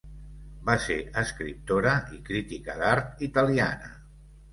Va ser escriptora i crítica d'art italiana.